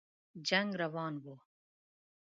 جنګ روان وو.